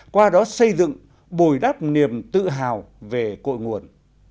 qua đó xây dựng bồi đắp niềm tự hào về cội nguồn